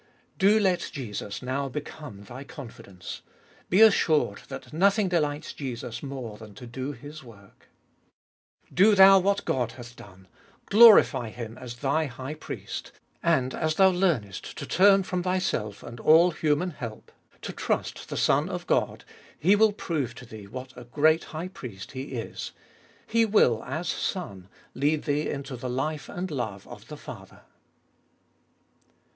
Do let Jesus now become thy confidence. Be assured that nothing delights Jesus more than to do His work. 182 UbC 1bOlfC8t Of Hll Do thou what God hath done ; glorify Him as thy High Priest ; and, as thou learnest to turn from thyself and all human help, to trust the Son of God, He will prove to thee what a great High Priest He is ; He will, as Son, lead thee into the life and love of the Father.